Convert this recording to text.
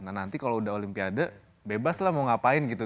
nah nanti kalau udah olimpiade bebas lah mau ngapain gitu